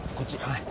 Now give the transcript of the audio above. はい。